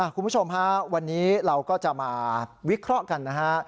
คุณผู้ชมฮะวันนี้เราก็จะมาวิเคราะห์กันนะฮะ